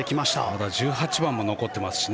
まだ１８番も残ってますし。